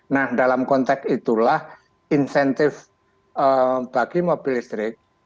nah dalam konteks itulah insentif bagi mobil listrik